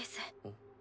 ん？